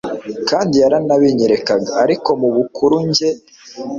kandi yaranabinyerekaga ariko mu bukuri njye